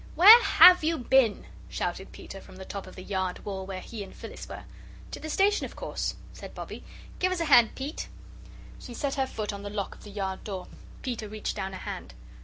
"Where HAVE you been?" shouted Peter, from the top of the yard wall where he and Phyllis were. "To the station, of course," said Bobbie; "give us a hand, Pete." She set her foot on the lock of the yard door. Peter reached down a hand.